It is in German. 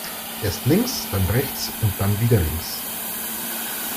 Erst links, dann rechts und dann wieder links.